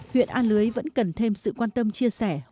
huyện a lưới vẫn cần thêm sự quan tâm chia sẻ